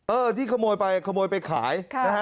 เออที่ขโมยไปขโมยไปขายนะฮะ